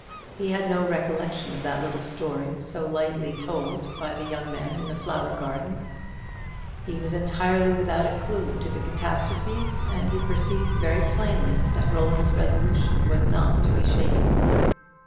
He had no recollection of that little story told so lightly by the young man in the flower garden; he was entirely without a clue to the catastrophe; and he perceived very plainly that Roland's resolution was not to be shaken.